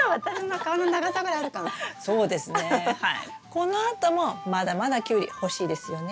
このあともまだまだキュウリ欲しいですよね？